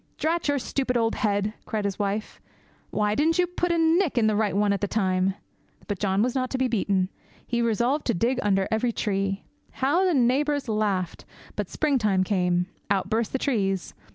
"Drat your stupid old head," cried his wife, "why didn't you put a nick on the right one at the time?" But John was not to be beaten. He resolved to dig under every tree. How the neighbours laughed! But springtime came. Out burst the trees.